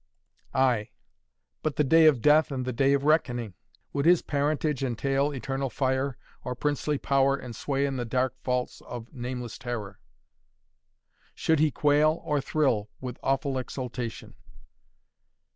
Ay but the day of death and the day of reckoning! Would his parentage entail eternal fire, or princely power and sway in the dark vaults of nameless terror? Should he quail or thrill with awful exaltation?